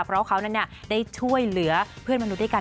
เพราะเขานั้นได้ช่วยเหลือเพื่อนมนุษย์ด้วยกัน